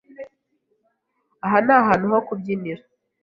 Aha ni ahantu ho kubyinira.